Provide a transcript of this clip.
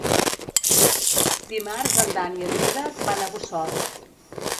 Dimarts en Dan i en Dídac van a Bossòst.